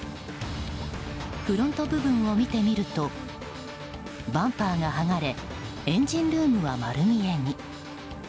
フロント部分を見てみるとバンパーが剥がれエンジンルームは丸見えに。